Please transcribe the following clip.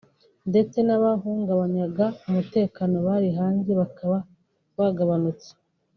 ndetse n’abahungabanyaga umutekano bari hanze bakaba bagabanutse”